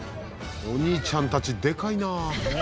お兄ちゃんたちでかいなあ！